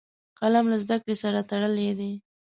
قلم له زده کړې سره تړلی دی